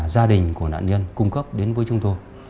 gia đình của nạn nhân cung cấp đến với chúng tôi